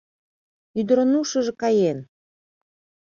Ӱдырын ушыжо каен!..